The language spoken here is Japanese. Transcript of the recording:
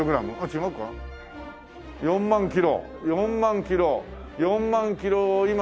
４万キロ４万キロ４万キロを今の価格で。